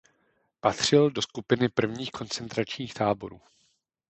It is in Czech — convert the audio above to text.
Patřil do skupiny prvních koncentračních táborů.